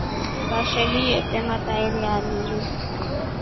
Baskeli lete matairi aili.